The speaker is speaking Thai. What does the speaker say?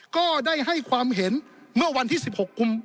ก็ได้ให้ความเห็นเมื่อวันที่๑๖กุม